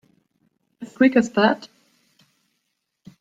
As quick as that?